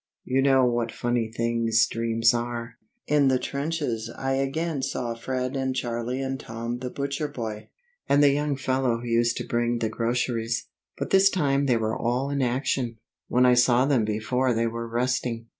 You know what funny things dreams are. In the trenches I again saw Fred and Charlie and Tom the butcher boy, and the young fellow who used to bring the groceries. But this time they were all in action; when I saw them before they were resting.